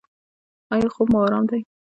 ایا خوب مو ارام دی؟